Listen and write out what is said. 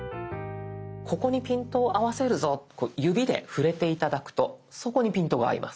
ここにピントを合わせるぞこう指で触れて頂くとそこにピントが合います。